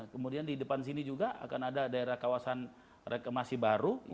kemudian di depan sini juga akan ada daerah kawasan reklamasi baru